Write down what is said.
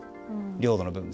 領土の部分。